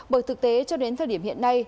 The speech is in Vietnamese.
bởi thực tế cho đến thời điểm hiện nay